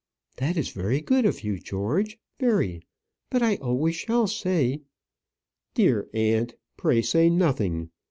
"That is very good of you, George; very. But I always shall say " "Dear aunt, pray say nothing.